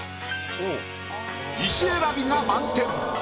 石選びが満点。